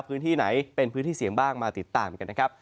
พื้นที่ไหนเป็นพื้นที่เสี่ยงบ้างมาติดตามกันนะครับ